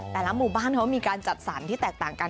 แต่ละหมู่บ้านเขามีการจัดสรรที่แตกต่างกัน